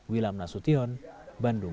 wilham nasution bandung